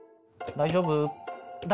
大丈夫？